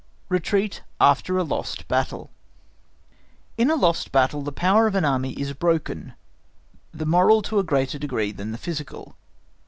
Retreat After a Lost Battle In a lost battle the power of an Army is broken, the moral to a greater degree than the physical.